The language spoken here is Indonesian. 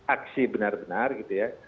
aksi benar benar gitu ya